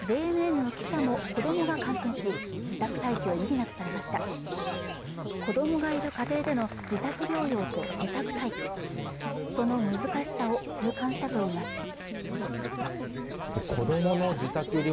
ＪＮＮの記者も子どもが感染し自宅待機を余儀なくされました子供がいる家庭での自宅療養と自宅待機その難しさを痛感したといいます